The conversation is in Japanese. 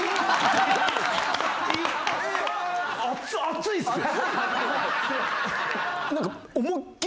熱いっすよ。